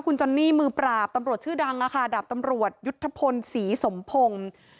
คุณจอนนี่มือปราบตำรวจชื่อดังดาบตำรวจยุทธพลศรีสมพงศ์